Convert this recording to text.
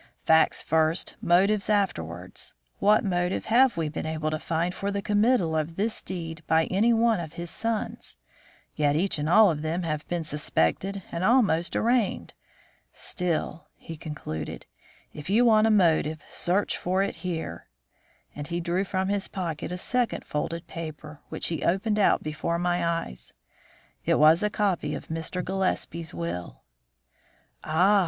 "Facts first, motives afterwards. What motive have we been able to find for the committal of this deed by any one of his sons? Yet each and all of them have been suspected and almost arraigned. Still," he concluded, "if you want a motive, search for it here," and he drew from his pocket a second folded paper, which he opened out before my eyes. It was a copy of Mr. Gillespie's will. "Ah!"